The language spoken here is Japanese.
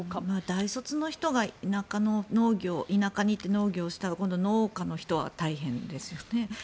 大卒の人が田舎に行って農業をしたら今度、農家の人は大変ですよね。